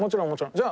じゃあ。